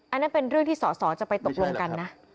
อันนั้นเป็นเรื่องที่สอสอจะไปตกลงกันนะ